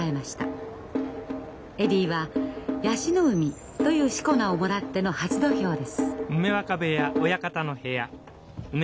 エディは椰子の海という四股名をもらっての初土俵です。